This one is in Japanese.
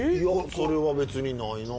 それはべつにないな。